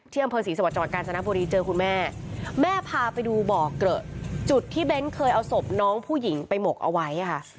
ที่ผู้หญิงไปหมกเอาไว้ค่ะ